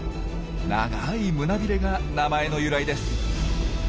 長い胸びれが名前の由来です。